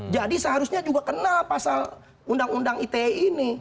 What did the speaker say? jadi seharusnya juga kenal pasal undang undang ite ini